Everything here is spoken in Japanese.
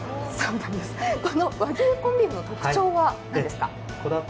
この和牛コンビーフの特徴は何ですか？